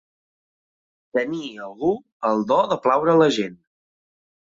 Tenir, algú, el do de plaure a la gent.